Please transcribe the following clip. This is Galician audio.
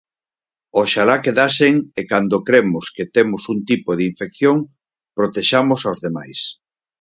Oxalá quedasen e cando cremos que temos un tipo de infección protexamos aos demais.